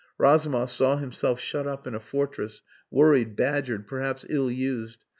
Razumov saw himself shut up in a fortress, worried, badgered, perhaps ill used.